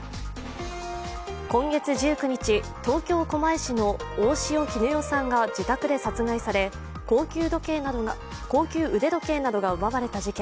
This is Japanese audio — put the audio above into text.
今月１９日、東京・狛江市の大塩衣与さんが自宅で殺害され、高級腕時計などが奪われた事件。